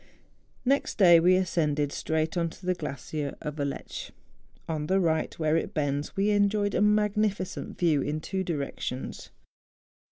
Next day we ascended straight on to the glacier of Aletsch. On the right where it bends we en¬ joyed a magnificent view in two directions.